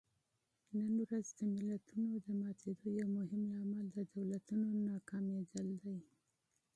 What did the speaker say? نن ورځ د ملتونو د ماتېدو یو مهم لامل د دولتونو ناکامېدل دي.